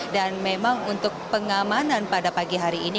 memang untuk pengamanan pada pagi hari ini